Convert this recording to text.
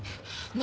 何？